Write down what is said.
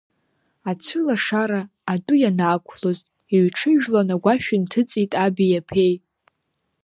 Ацәылашара адәы ианаақәлоз иҩҽыжәлан агәашә инҭыҵит аби аԥеи.